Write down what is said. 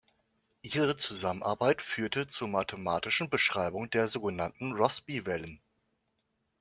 Ihre Zusammenarbeit führte zur mathematischen Beschreibung der sogenannten Rossby-Wellen.